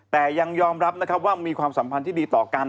แต่ยังยอมรับนะครับว่ามีความสัมพันธ์ที่ดีต่อกัน